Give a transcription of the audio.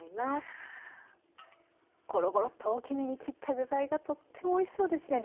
ゴロゴロッと大きめに切った具材がとってもおいしそうですね。